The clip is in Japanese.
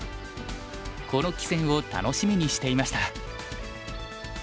この棋戦を楽しみにしていました。